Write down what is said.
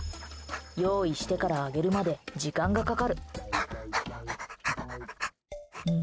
用意してから、あげるまで時間がかかる。